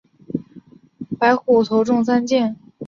白虎头中三箭。